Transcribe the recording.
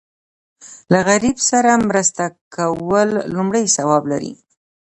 له غریب سره مرسته کول لوی ثواب لري.